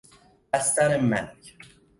بستر مرگ